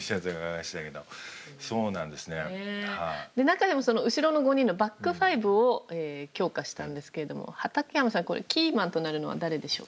中でもその後ろの５人のバックファイブを強化したんですけれども畠山さんこれキーマンとなるのは誰でしょうか？